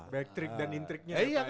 back trick dan intriknya